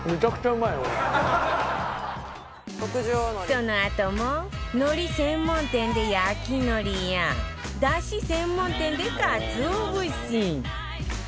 そのあとも海苔専門店で、焼き海苔やダシ専門店で、かつお節